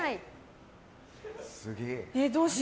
すげえ。